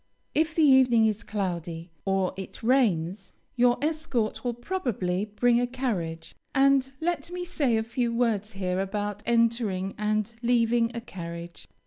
If the evening is cloudy, or it rains, your escort will probably bring a carriage; and let me say a few words here about entering and leaving a carriage.